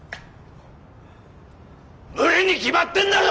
無理に決まってんだろ